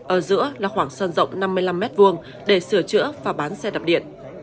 ở giữa là khoảng sân rộng năm mươi năm mét vuông để sửa chữa và bán xe đạp điện